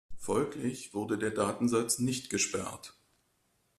Folglich wurde der Datensatz nicht gesperrt.